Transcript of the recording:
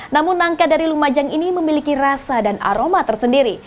namun nangka dari lumajang ini memiliki rasa dan aroma tersendiri